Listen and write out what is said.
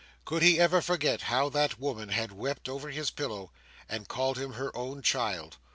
Could he ever forget how that woman had wept over his pillow, and called him her own child!